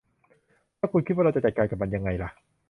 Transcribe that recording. แล้วคุณคิดว่าเราจะจัดการกับมันยังไงล่ะ